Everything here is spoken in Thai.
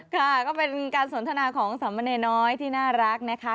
ค่ะก็เป็นการสนทนาของสามเณรน้อยที่น่ารักนะคะ